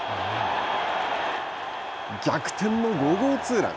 逆転の５号ツーラン。